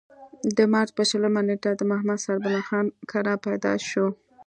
د مارچ پۀ شلمه نېټه د محمد سربلند خان کره پېدا شو ۔